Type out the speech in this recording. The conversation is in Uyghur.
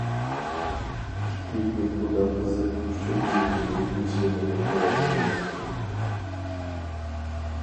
ئىككى كۈن ئۇدا قىزىپ، ئۈچىنچى كۈنى ھېچنېمىنى كۆرەلمىدىم.